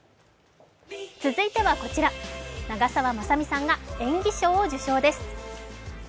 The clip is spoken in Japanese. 続いてはこちら、長澤まさみさんが演技賞を受賞です。